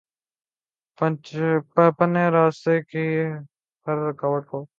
پنے راستے کی ہر رکاوٹ کو